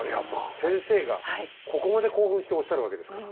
先生がここまで興奮しておっしゃるわけですから。